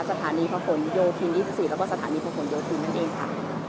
สถานีพระโหดโยธินยี่สิบสี่แล้วก็สถานีพระโหดโยธินนั่นเองค่ะ